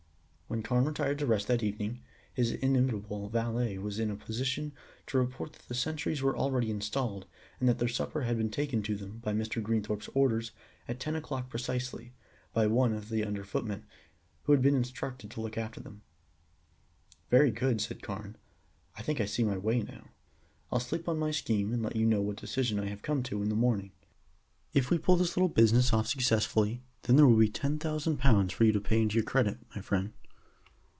When Carne retired to rest that evening, his inimitable valet was in a position to report that the sentries were already installed, and that their supper had been taken to them, by Mr. Greenthorpe's orders, at ten o'clock precisely, by one of the under footmen, who had been instructed to look after them. "Very good," said Carne; "I think I see my way now. I'll sleep on my scheme and let you know what decision I have come to in the morning. If we pull this little business off successfully, there will be ten thousand pounds for you to pay into your credit, my friend."